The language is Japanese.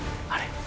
あれ？